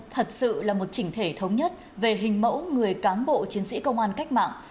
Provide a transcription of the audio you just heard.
thật sự là một chỉnh thể thống nhất về hình mẫu người cán bộ chiến sĩ công an cách mạng